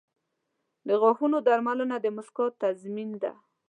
• د غاښونو درملنه د مسکا تضمین ده.